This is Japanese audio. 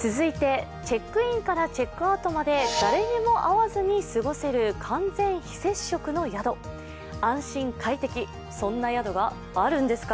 続いてチェックインからチェックアウトまで誰にも合わずに過ごせる完全非接触の宿、安心、快適そんな宿があるんですか？